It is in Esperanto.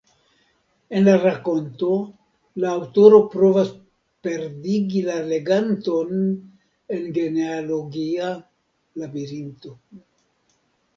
En la rakonto la aŭtoro provas perdigi la leganton en genealogia labirinto.